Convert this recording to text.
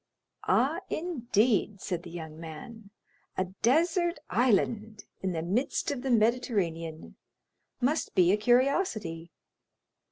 "Ah, indeed!" said the young man. "A desert island in the midst of the Mediterranean must be a curiosity."